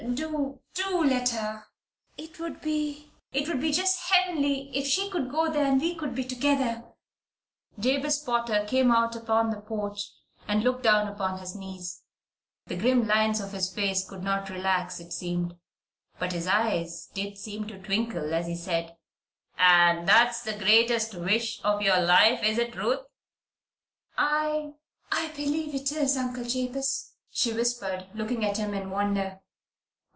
Do, do let her. It would be it would be just heavenly, if she could go there, and we could be together!" Jabez Potter came out upon the porch and looked down upon his niece. The grim lines of his face could not relax, it seemed; but his eyes did seem to twinkle as he said: "And that's the greatest wish of your life; is it, Ruth?" "I I believe it is, Uncle Jabez," she whispered, looking at him in wonder.